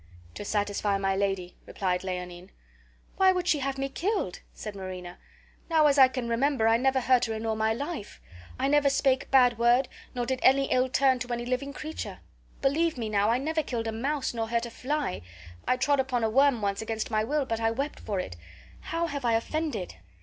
"To satisfy my lady," replied Leonine. "Why would she have me killed?" said Marina. "Now, as I can remember, I never hurt her in all my life. I never spake bad word nor did any ill turn to any living creature. Believe me now, I never killed a mouse nor hurt a fly. I trod upon a worm once against my will, but I wept for it. How have I offended?"